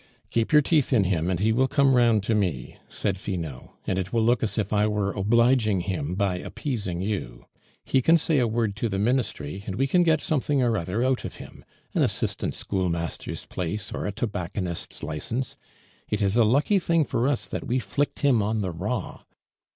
"Keep your teeth in him and he will come round to me," said Finot; "and it will look as if I were obliging him by appeasing you. He can say a word to the Ministry, and we can get something or other out of him an assistant schoolmaster's place, or a tobacconist's license. It is a lucky thing for us that we flicked him on the raw.